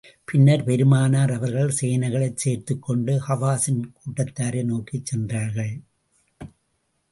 பின்னர், பெருமானார் அவர்கள் சேனைகளைச் சேர்த்துக் கொண்டு ஹவாஸின் கூட்டத்தாரை நோக்கிச் சென்றார்கள்.